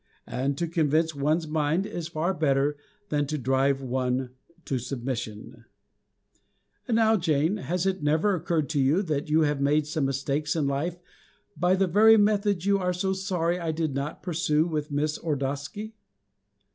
And to convince one's mind is far better than to drive one to submission. And now, Jane, has it never occurred to you that you have made some mistakes in life by the very methods you are so sorry I did not pursue with Miss Ordosky?